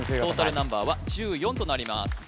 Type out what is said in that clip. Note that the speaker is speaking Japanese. トータルナンバーは１４となります